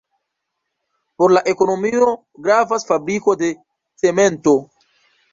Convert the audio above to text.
Por la ekonomio gravas fabriko de cemento.